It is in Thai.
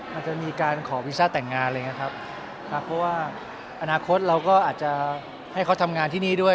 มันจะมีการขอวีซ่าแต่งงานอะไรอย่างนี้ครับครับเพราะว่าอนาคตเราก็อาจจะให้เขาทำงานที่นี่ด้วย